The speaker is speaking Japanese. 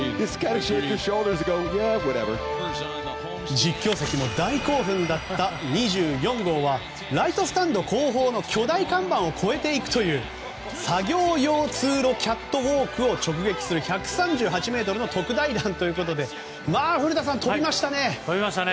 実況席も大興奮だった２４号はライトスタンド後方の巨大看板を越えて作業用通路キャットウォークを直撃する１３８ｍの特大弾ということで古田さん、飛びましたね！